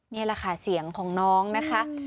นี่แหละค่ะเสียงของน้องนะคะ